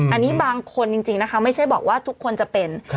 อันนี้บางคนจริงนะคะไม่ใช่บอกว่าทุกคนจะเป็น